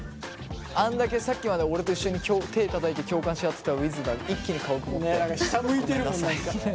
あんだけさっきまで俺と一緒に手たたいて共感し合ってたうぃずが一気に顔曇ったよね。ね。